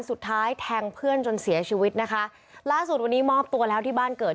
สุดท้ายแทงเพื่อนจนเสียชีวิตนะคะล่าสุดวันนี้มอบตัวแล้วที่บ้านเกิด